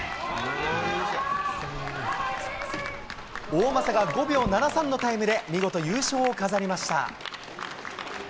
大政が５秒７３のタイムで、見事、優勝を飾りました。